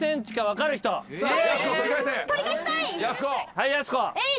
はいやす子。